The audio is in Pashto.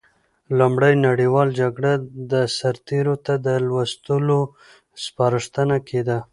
لومړۍ نړیواله جګړه سرتېرو ته د لوستلو سپارښتنه کېده.